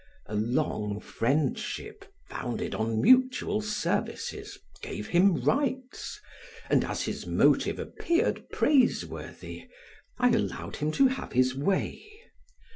A long friendship founded on mutual services gave him rights, and as his motive appeared praiseworthy I allowed him to have his way.